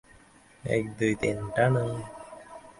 এক, দুই, তিন, টানো!